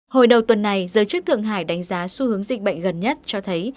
hồi đầu tuần này giới chức thượng hải đánh giá xu hướng dịch bệnh gần nhất cho thấy